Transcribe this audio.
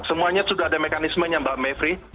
semuanya sudah ada mekanismenya mbak mepri